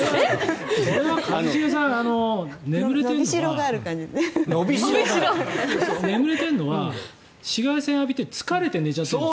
一茂さんが眠れてるのは紫外線を浴びて疲れて寝ちゃってるの。